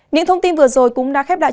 những thông tin vừa rồi cũng đã khép lại